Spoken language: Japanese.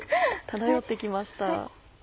漂って来ました。